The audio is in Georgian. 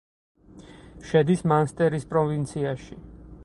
შედის მანსტერის პროვინციაში.